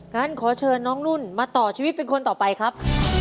งั้นขอเชิญน้องนุ่นมาต่อชีวิตเป็นคนต่อไปครับ